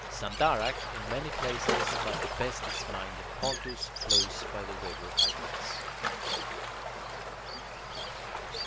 Sandarach, in many places, but the best is mined in Pontus close by the river Hypanis.